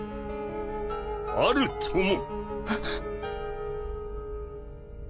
あるとも。